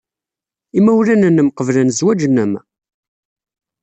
Imawlan-nnem qeblen zzwaj-nnem?